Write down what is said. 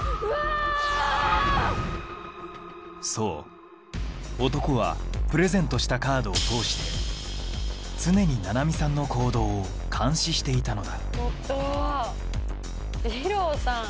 そう男はプレゼントしたカードを通して常に菜々美さんの行動を監視していたのだちょっとじろうさん